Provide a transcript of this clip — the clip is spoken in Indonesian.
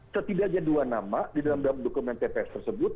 ketidakjaduan nama di dalam dokumen pps tersebut